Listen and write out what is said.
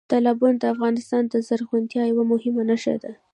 تالابونه د افغانستان د زرغونتیا یوه مهمه نښه ده.